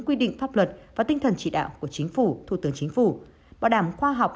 quy định pháp luật và tinh thần chỉ đạo của chính phủ thủ tướng chính phủ bảo đảm khoa học